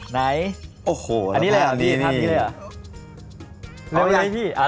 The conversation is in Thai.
ไหนอันนี้เลยเหรอเร็วเลยพี่